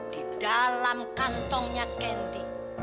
di dalam kantongnya candy